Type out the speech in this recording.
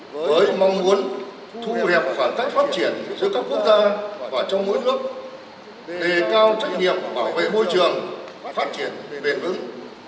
với mong muốn thu hẹp khoảng cách phát triển giữa các quốc gia và trong mỗi nước đề cao trách nhiệm bảo vệ môi trường phát triển bền vững